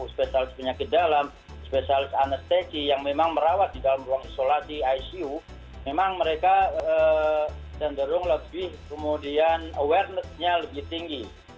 spesialis penyakit dalam spesialis anestesi yang memang merawat di dalam ruang isolasi icu memang mereka cenderung lebih kemudian awarenessnya lebih tinggi